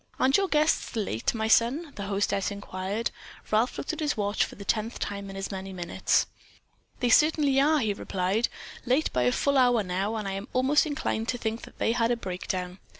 "Aren't your guests late, my son?" the hostess inquired. Ralph looked at his watch for the tenth time in as many minutes. "They certainly are," he replied, "late by a full hour now, and I am almost inclined to think that they had a breakdown.